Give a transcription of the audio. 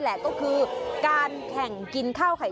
เอ่ยไวไวอะไร